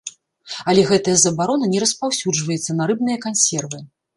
Але гэтая забарона не распаўсюджваецца на рыбныя кансервы.